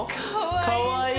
かわいい！